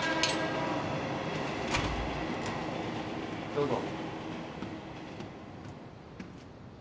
どうぞ。